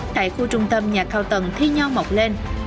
tại khu trung tâm nhà cao tầng thi nhau mọc lên